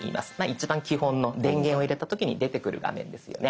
一番基本の電源を入れた時に出てくる画面ですよね。